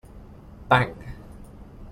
Bang!